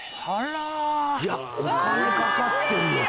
いやお金かかってるよ